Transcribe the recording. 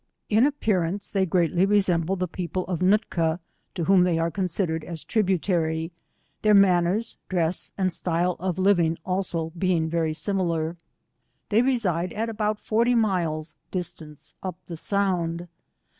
In appearance they greatly resemble the people of Nootka, to whom they are considered as tributary, their manners, dress, and style of living also being very similar. They resile at about forty miles distance op the sound.